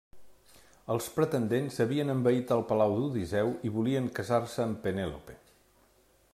Els pretendents havien envaït el palau d'Odisseu i volien casar-se amb Penèlope.